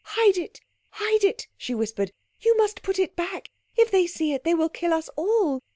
"Hide it, hide it," she whispered. "You must put it back. If they see it they will kill us all.